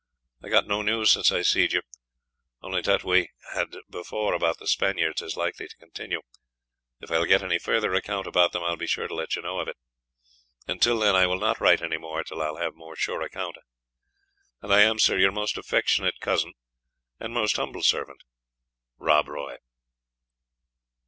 I gote noe news since I seed you, only qt wee had before about the Spainyard's is like to continue. If I'll get any further account about them I'll be sure to let you know of it, and till then I will not write any more till I'll have more sure account, and I am "Sir, your most affectionate Cn [cousin], "and most humble servant, "Ro: Roy."